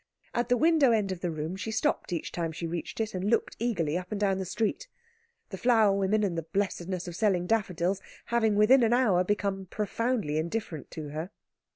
At the window end of the room she stopped each time she reached it and looked eagerly up and down the street, the flower women and the blessedness of selling daffodils having within an hour become profoundly indifferent to her.